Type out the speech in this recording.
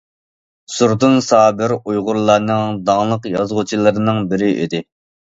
زوردۇن سابىر ئۇيغۇرلارنىڭ داڭلىق يازغۇچىلىرىنىڭ بىرى ئىدى.